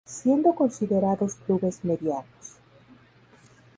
Siendo considerados clubes "medianos".